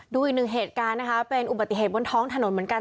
ดูอีกหนึ่งเหตุการณ์นะคะเป็นอุบัติเหตุบนท้องถนนเหมือนกัน